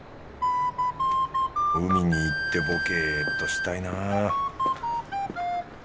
海に行ってぼけっとしたいなぁ